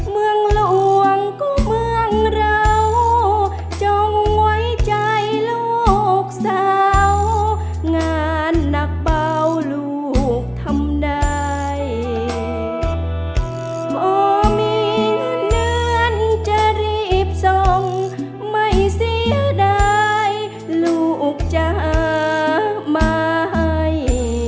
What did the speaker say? เพลงที่๒เพลงมาครับขอโชคดี